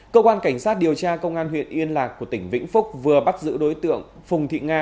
cơ quan cảnh sát điều tra công an huyện yên lạc của tỉnh vĩnh phúc vừa bắt giữ đối tượng phùng thị nga